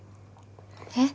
えっ？